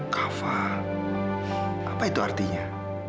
kava apa itu artinya